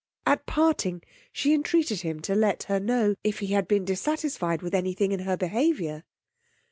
At parting, she entreated him to let her know if he had been dissatisfied with any thing in her behaviour.